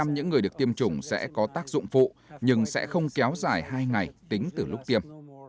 bảy mươi những người được tiêm chủng sẽ có tác dụng phụ nhưng sẽ không kéo dài hai ngày tính từ lúc tiêm